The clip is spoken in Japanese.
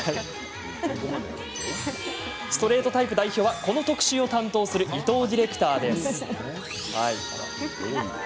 ストレートタイプ代表はこの特集を担当する伊藤ディレクターです。